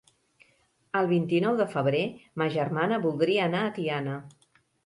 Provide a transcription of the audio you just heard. El vint-i-nou de febrer ma germana voldria anar a Tiana.